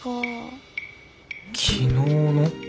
昨日の。